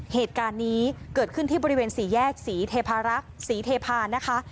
เหตุการณ์นี้เกิดขึ้นที่บริเวณสี่แยกศรีเทพารักษ์ศรีเทพานะคะ